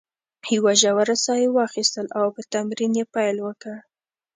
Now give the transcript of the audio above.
یوه ژوره ساه یې واخیستل او په تمرین یې پیل وکړ.